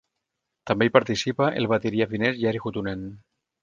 També hi participa el bateria finès Jari Huttunen.